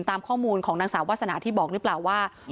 ตามข้อมูลของนางสาววาสนาที่บอกหรือเปล่าว่า